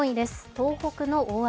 東北の大雨。